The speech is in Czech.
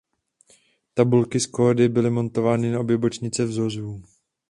Tabulky s kódy byly montovány na obě bočnice vozů.